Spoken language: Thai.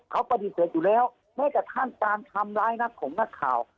เขาปฏิเสธอยู่แล้วแม้กระทั่งการทำร้ายนักของนักข่าว